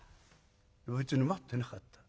「別に待ってなかった。